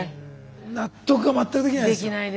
納得は全くできないですよ。